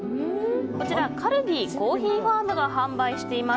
カルディコーヒーファームが販売しています。